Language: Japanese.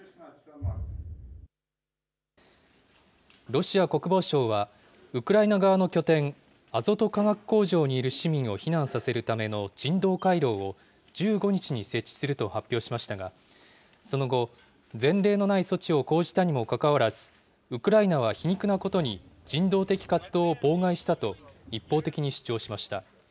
ロシア国防省は、ウクライナ側の拠点、アゾト化学工場にいる市民を避難させるための人道回廊を、１５日に設置すると発表しましたが、その後、前例のない措置を講じたにもかかわらず、ウクライナは皮肉なことに人道的活動を妨害したと、一方的に主張しました。